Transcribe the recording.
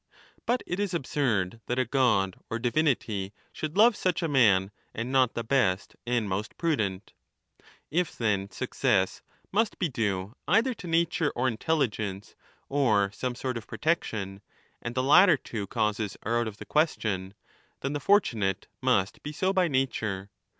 But it is absurd that a god or I " divinity should love such a man and not the best and truSst ^,^?/ prudent. If, then, success must be due either to nature or ^^ ?,o intelligence ^ or some sort of protection, and the latter two causes are out of the question, then the fortunate must be so by nature.